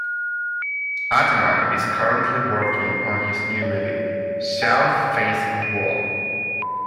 Ataman is currently working on his new movie, "South Facing Wall".